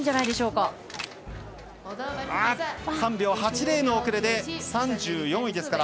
３秒８０の遅れで３４位。